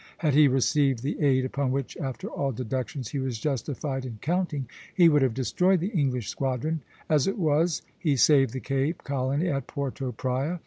Had he received the aid upon which, after all deductions, he was justified in counting, he would have destroyed the English squadron; as it was, he saved the Cape Colony at Porto Praya.